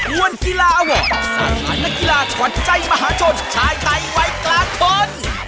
รวมกีฬาหว่อสถานกีฬาชวัญใจมหาชนชาวไทยวัยกลางคน